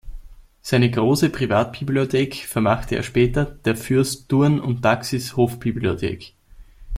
Seine große Privatbibliothek vermachte er später der "Fürst Thurn und Taxis Hofbibliothek".